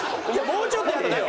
もうちょっとやってよ。